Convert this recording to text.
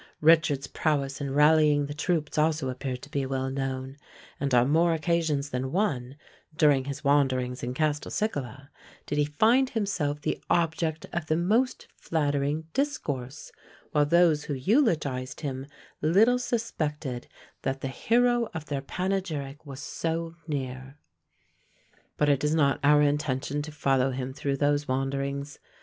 Richard's prowess in rallying the troops also appeared to be well known; and on more occasions than one, during his wanderings in Castelcicala, did he find himself the object of the most flattering discourse, while those who eulogised him little suspected that the hero of their panegyric was so near. But it is not our intention to follow him through those wanderings.